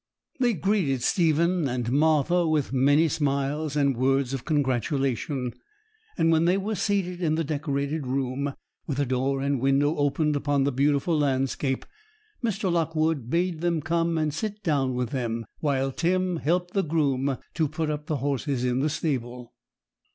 They greeted Stephen and Martha with many smiles and words of congratulation; and when they were seated in the decorated room, with the door and window opened upon the beautiful landscape, Mr. Lockwood bade them come and sit down with them; while Tim helped the groom to put up the horses in the stable.